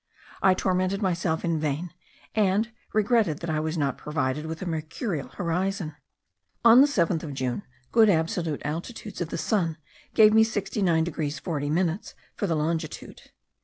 I tormented myself in vain; and regretted that I was not provided with a mercurial horizon. On the 7th of June, good absolute altitudes of the sun gave me 69 degrees 40 minutes for the longitude.